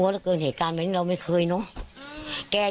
เราเคยดูแต่ทอทัศน์ดูข่าว